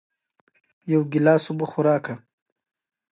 سوالګري د ټولنې عزت کموي.